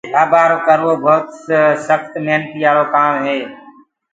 لآبآرو ڪروو ڀوت سکت منيآݪو ڪآم هي۔